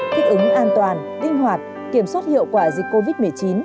kích ứng an toàn tinh hoạt kiểm soát hiệu quả dịch covid một mươi chín